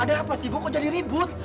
ada apa sih bu kok jadi ribut